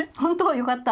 よかった。